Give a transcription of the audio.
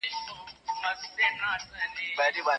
ما د خپل ژوند ترخې شېبې په خندا تېرې کړې.